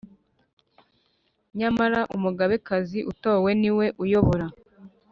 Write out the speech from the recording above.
Nyamara Umugabekazi utowe niwe uyobora